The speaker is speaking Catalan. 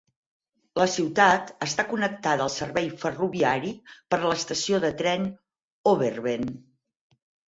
La ciutat està connectada al servei ferroviari per l'estació de tren Overveen.